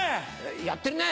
やってるね。